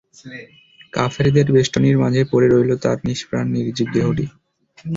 কাফেরদের বেষ্টনীর মাঝে পড়ে রইল তাঁর নিষ্প্রাণ নির্জীব দেহটি।